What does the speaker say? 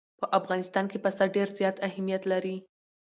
په افغانستان کې پسه ډېر زیات اهمیت لري.